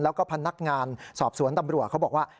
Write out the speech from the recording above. แล้วก็พนักงานสอบสวนตำรวจเขาบอกว่า